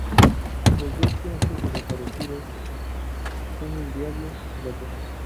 Los dos triunfos desaparecidos son el "Diablo" y la "Torre.